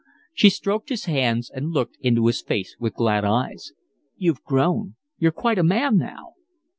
She stroked his hands and looked into his face with glad eyes. "You've grown. You're quite a man now."